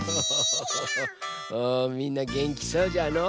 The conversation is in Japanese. みんなげんきそうじゃの。